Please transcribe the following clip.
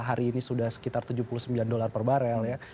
hari ini sudah sekitar tujuh puluh sembilan dolar per barel ya